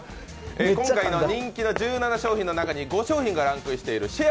今回の人気の１７商品の中に５商品がランクインしているシェア